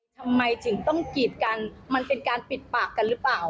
ทำไมถึงต้องกีดกันมันเป็นการปิดปากกันหรือเปล่า